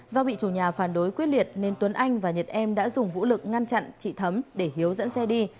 do bị chủ nhà phản đối quyết liệt nên tuấn anh và nhật em đã dùng vũ lực ngăn chặn chị thấm để hiếu dẫn xe đi